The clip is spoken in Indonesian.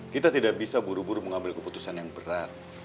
kita tidak bisa buru buru mengambil keputusan yang berat